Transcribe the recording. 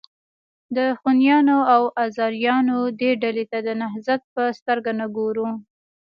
د خونیانو او آزاریانو دې ډلې ته د نهضت په سترګه نه ګورو.